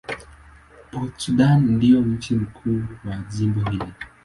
Port Sudan ndio mji mkuu wa jimbo hili.